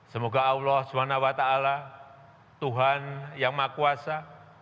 semoga allah swt tuhan yang maha kuasa